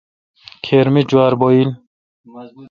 کھیر می جوار بھویل۔